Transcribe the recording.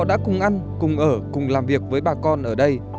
ăn cùng ở cùng làm việc với bà con ở đây